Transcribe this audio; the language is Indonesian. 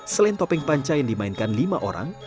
selain topeng panca yang dimainkan lima orang